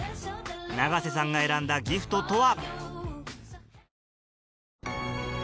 永瀬さんが選んだギフトとは？